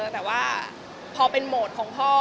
แต่ว่าพอเป็นโหมดของพ่อ